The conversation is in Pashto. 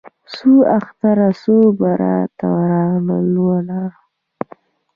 څو اختره څو براته راغله ولاړه